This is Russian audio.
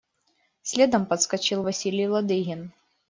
Следом подскочил Василий Ладыгин.